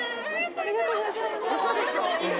ありがとうございます。